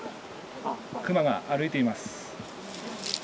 クマが歩いています。